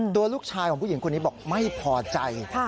ตัวลูกชายของผู้หญิงคนนี้บอกไม่พอใจ